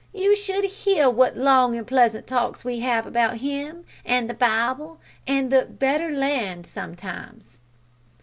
You should hear what long and pleasant talks we have about Him, and the Bible, and the `better land' sometimes."